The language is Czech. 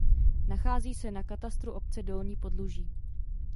Nachází se na katastru obce Dolní Podluží.